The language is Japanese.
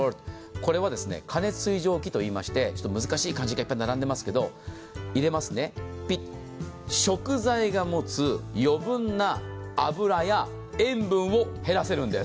これは過熱水蒸気といいまして難しい漢字がいっぱい並んでいますけど、入れますね、ピッ、食材が持つ余分な脂や塩分を減らせるんです。